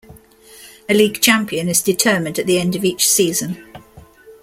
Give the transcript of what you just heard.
A league champion is determined at the end of each season.